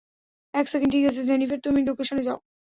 এক সেকেন্ড, ঠিক আছে, জেনিফার, তুমি লোকেশনে যাও।